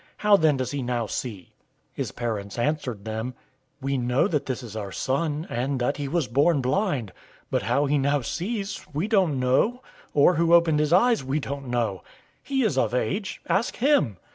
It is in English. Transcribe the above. How then does he now see?" 009:020 His parents answered them, "We know that this is our son, and that he was born blind; 009:021 but how he now sees, we don't know; or who opened his eyes, we don't know. He is of age. Ask him.